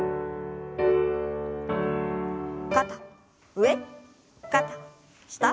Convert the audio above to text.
肩上肩下。